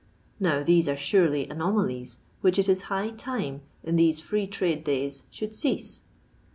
Now these are surely anomalies which it is high time, in these free trade days, should cease.